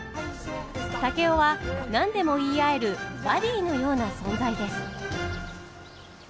竹雄は何でも言い合えるバディーのような存在です。